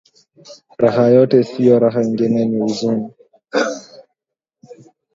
Raha yote siyo raha ingine ni uzuni